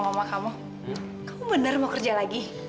mama kamu kamu bener mau kerja lagi